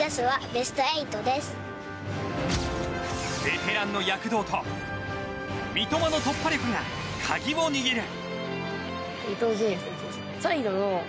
ベテランの躍動と三笘の突破力が鍵を握る。